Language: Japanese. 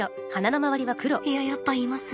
いややっぱ言います。